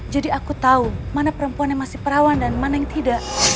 jadi aku tahu mana perempuan yang masih perawan dan mana yang tidak